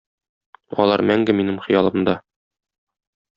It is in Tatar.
Алар мәңге минем хыялымда